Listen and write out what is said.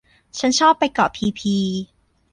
ฉันชอบไปเกาะพีพี